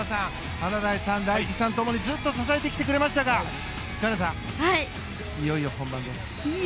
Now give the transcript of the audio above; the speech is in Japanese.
華丸さん、大吉さんともにずっと支えてきてくれましたが橋本さん、いよいよ本番です。